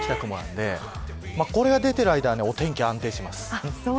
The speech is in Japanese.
これが出ている間はお天気は安定します。